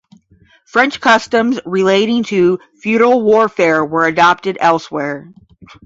French customs relating to feudal warfare were adopted elsewhere.